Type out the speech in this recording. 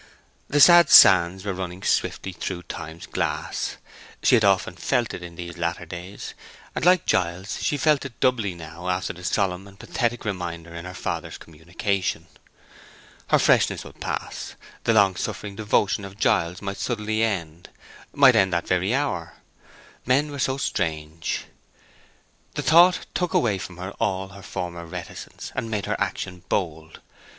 The sad sands were running swiftly through Time's glass; she had often felt it in these latter days; and, like Giles, she felt it doubly now after the solemn and pathetic reminder in her father's communication. Her freshness would pass, the long suffering devotion of Giles might suddenly end—might end that very hour. Men were so strange. The thought took away from her all her former reticence, and made her action bold.